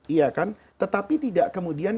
iya kan tetapi tidak kemudian